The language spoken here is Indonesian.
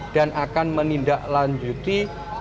dan akan menindaklanjuti